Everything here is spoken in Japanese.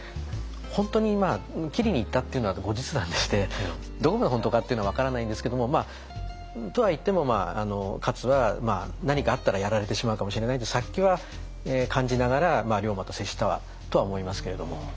本当に斬りにいったっていうのは後日談でしてどこが本当かっていうのは分からないんですけどもとはいっても勝は何かあったらやられてしまうかもしれないという殺気は感じながら龍馬と接したとは思いますけれども。